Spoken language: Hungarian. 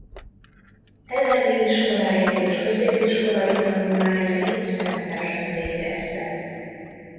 Elemi iskoláit és középiskolai tanulmányait Szentesen végezte.